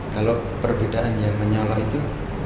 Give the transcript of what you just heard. kalau perbedaan yang menyala itu